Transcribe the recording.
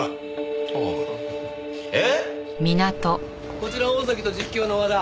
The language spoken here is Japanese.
こちら大崎と実況の和田。